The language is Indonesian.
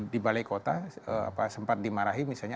di balai kota sempat dimarahi misalnya